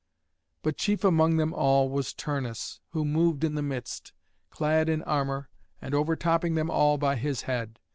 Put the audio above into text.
But chief among them all was Turnus, who moved in the midst, clad in armour, and overtopping them all by his head.